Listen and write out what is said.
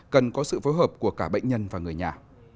cần có sự phối hợp của cả bệnh nhân và người nhà